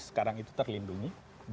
sekarang itu terlindungi